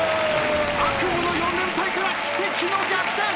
悪夢の４連敗から奇跡の逆転！